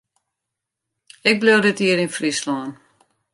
Ik bliuw dit jier yn Fryslân.